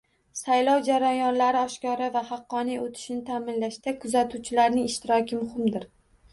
Saylov jarayonlari oshkora va haqqoniy oʻtishini taʼminlashda kuzatuvchilarning ishtiroki muhimdir.